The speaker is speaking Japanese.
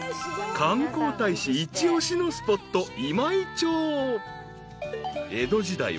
［観光大使一押しのスポット］